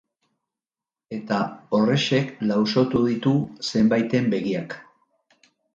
Eta horrexek lausotu ditu zenbaiten begiak.